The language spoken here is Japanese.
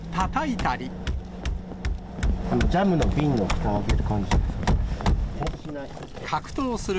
ジャムの瓶のふたを開ける感じですね。